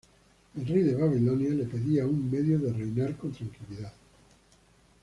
El rey de Babilonia le pedía un medio de reinar con tranquilidad.